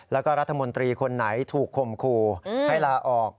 แล้วก็รัฐมนตรีคนไหนถูกคมคู่ให้ลาออก